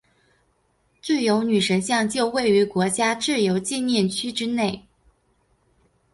自由女神像就位于国家自由纪念区之内。